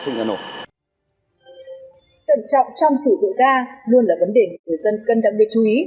tận trọng trong sử dụng ga luôn là vấn đề của người dân cân đặc biệt chú ý